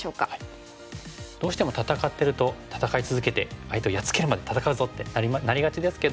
どうしても戦ってると戦い続けて相手をやっつけるまで戦うぞってなりがちですけども。